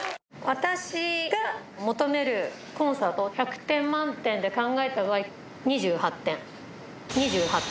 私が求めるコンサートを１００点満点で考えた場合、２８点。